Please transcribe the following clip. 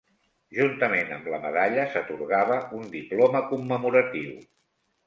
Juntament amb la medalla s'atorgava un diploma commemoratiu.